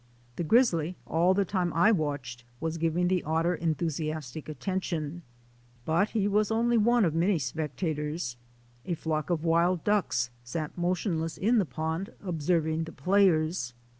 The grizzly, all the time I watched, was giving the otter enthusiastic attention. But he was only one of many spectators. A flock of wild ducks sat motionless in the pond observing the players.